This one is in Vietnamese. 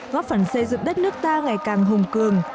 góp phần xây dựng đất nước ta ngày càng hùng cường